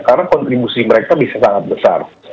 karena kontribusi mereka bisa sangat besar